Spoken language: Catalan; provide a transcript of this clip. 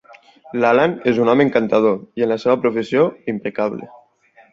L'Allan és un home encantador, i en la seva professió, impecable.